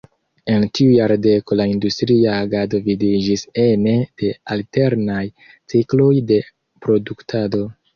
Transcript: En tiu jardeko la industria agado vidiĝis ene de alternaj cikloj de produktado.